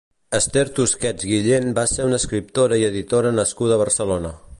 Esther Tusquets Guillén va ser una escriptora i editora nascuda a Barcelona.